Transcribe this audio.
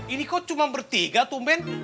ini kok cuma bertiga tuh ben